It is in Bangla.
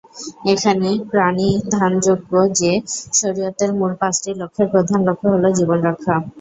এখানে প্রণিধানযোগ্য যে, শরিয়তের মূল পাঁচটি লক্ষ্যের প্রধান লক্ষ্য হলো জীবন রক্ষা।